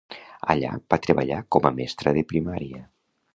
Allà, va treballar com a mestra de primària.